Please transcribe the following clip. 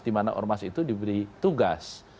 dimana ormas itu diberi tugas